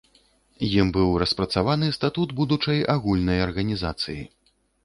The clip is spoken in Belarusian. Ім быў распрацаваны статут будучай агульнай арганізацыі.